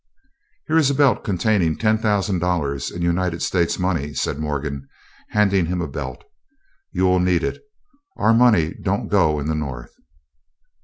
"Here is a belt containing ten thousand dollars in United States money," said Morgan, handing him a belt. "You will need it; our money don't go in the North."